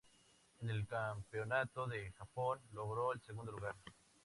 En el Campeonato de Japón logró el segundo lugar.